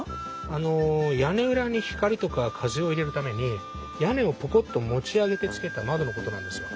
あの屋根裏に光とか風を入れるために屋根をポコッと持ち上げてつけた窓のことなんですよ。